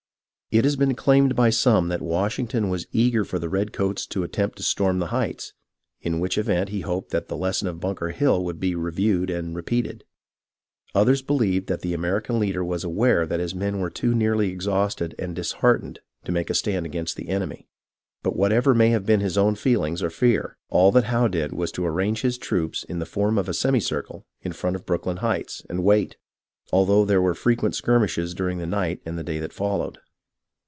It has been claimed by some that Washington was eager for the redcoats to attempt to storm the Heights, in which event he hoped that the lesson of Bunker Hill would be reviewed and repeated. Others believed that the Ameri can leader was aware that his men were too nearly ex hausted and disheartened to make a stand against the enemy ; but whatever may have been his own feeling or fear, all that Howe did was to arrange his troops in the form of a semicircle in front of Brooklyn Heights and wait, although there were frequent skirmishes during the night and day that followed.